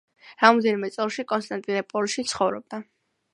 რამდენიმე წელი კონსტანტინოპოლში ცხოვრობდა.